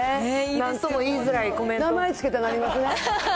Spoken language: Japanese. なんとも言いづらいコメント名前付けたなりますね。